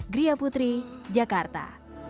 gria putri jakarta